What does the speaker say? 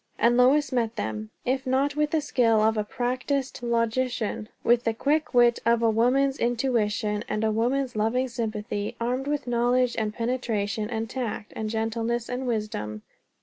And Lois met them, if not with the skill of a practised logician, with the quick wit of a woman's intuition and a woman's loving sympathy, armed with knowledge, and penetration, and tact, and gentleness, and wisdom.